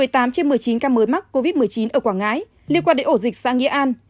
một mươi tám trên một mươi chín ca mới mắc covid một mươi chín ở quảng ngãi liên quan đến ổ dịch xã nghĩa an